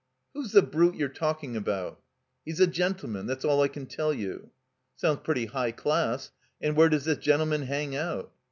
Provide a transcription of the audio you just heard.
"Who's the brute you're talking about?" "He's a gentleman. That's all I can tell you." "Soimds pretty high class. And where does this gentleman hang out?"